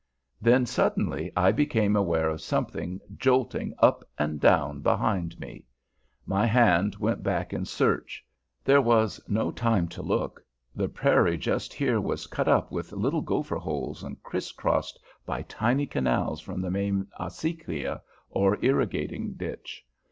Then suddenly I became aware of something jolting up and down behind me. My hand went back in search: there was no time to look: the prairie just here was cut up with little gopher holes and criss crossed by tiny canals from the main acequia, or irrigating ditch.